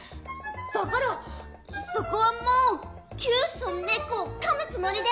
だからそこはもう窮鼠猫をかむつもりで！